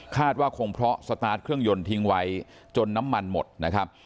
ว่าคงเพราะสตาร์ทเครื่องยนต์ทิ้งไว้จนน้ำมันหมดนะครับ